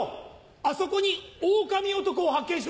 あそこにオオカミ男を発見しました！